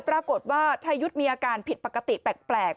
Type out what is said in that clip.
ประชาชนชายุทธ์มีอาการผิดปกติแปลก